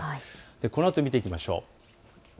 このあと見ていきましょう。